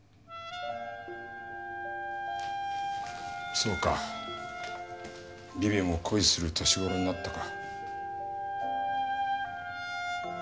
そうかビビも恋する年頃になったか。